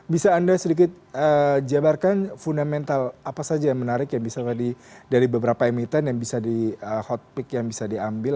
bisa anda sedikit jabarkan fundamental apa saja yang menarik yang bisa tadi dari beberapa emiten yang bisa di hot peak yang bisa diambil